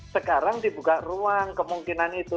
sekarang dibuka ruang kemungkinan itu